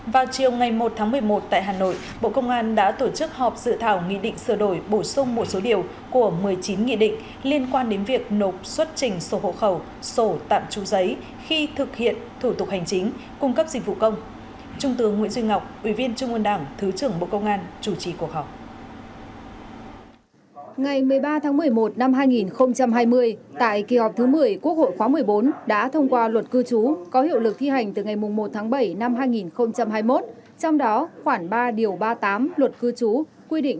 vào chiều ngày một tháng một mươi một tại hà nội bộ công an đã tổ chức họp dự thảo nghị định sửa đổi bổ sung một số điều của một mươi chín nghị định liên quan đến việc nộp xuất trình sổ hộ khẩu sổ tạm tru giấy khi thực hiện thủ tục hành chính cung cấp dịch vụ công